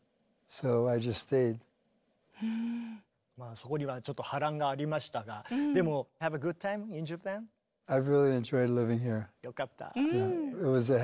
そこにはちょっと波乱がありましたがでもよかった。